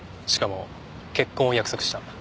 しかも結婚を約束した。